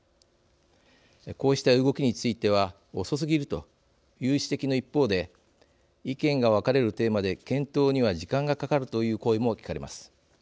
こうした動きについては遅すぎるという指摘の一方で意見が分かれるテーマで検討には時間がかかるという声も聞かれます。